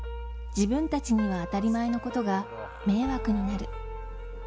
自分たちには当たり前のことが迷惑になる。